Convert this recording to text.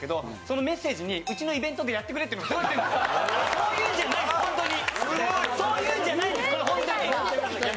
そういうんじゃないです、ホントに。